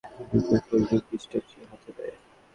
যুগের পর যুগ বৃষ্টি হচ্ছে, হতে দে।